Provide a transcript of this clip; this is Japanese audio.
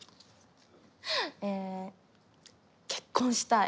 え結婚したい。